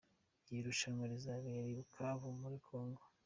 Iri rushanwa rizabera i Bukavu muri Congo.